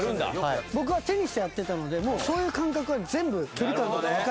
僕はテニスやってたのでもうそういう感覚は全部距離感とかわかる。